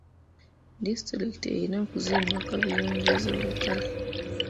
Disitulikiti erina okuzimba kaabuyonjo ez'olukale.